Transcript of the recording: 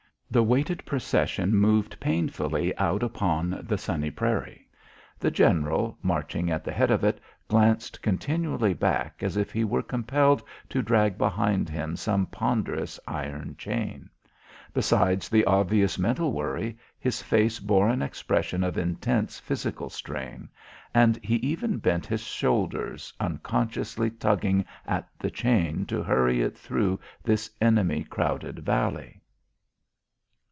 The weighted procession moved painfully out upon the sunny prairie. The general, marching at the head of it, glanced continually back as if he were compelled to drag behind him some ponderous iron chain. Besides the obvious mental worry, his face bore an expression of intense physical strain, and he even bent his shoulders, unconsciously tugging at the chain to hurry it through this enemy crowded valley.